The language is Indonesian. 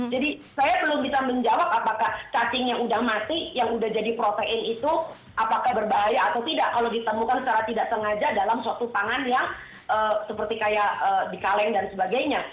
jadi saya belum bisa menjawab apakah cacing yang udah mati yang udah jadi protein itu apakah berbahaya atau tidak kalau ditemukan secara tidak sengaja dalam suatu tangan yang seperti kayak di kaleng dan sebagainya